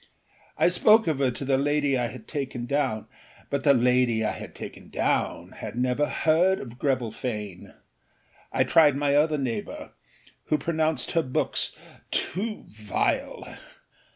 I spoke of her to the lady I had taken down, but the lady I had taken down had never heard of Greville Fane. I tried my other neighbour, who pronounced her books âtoo vile.